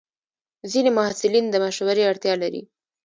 ځینې محصلین د مشورې اړتیا لري.